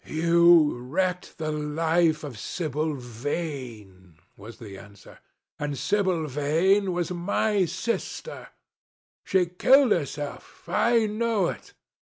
"You wrecked the life of Sibyl Vane," was the answer, "and Sibyl Vane was my sister. She killed herself. I know it.